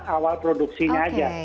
awal produksinya aja